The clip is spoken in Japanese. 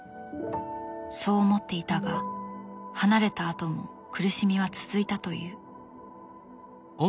そう思っていたが離れたあとも苦しみは続いたという。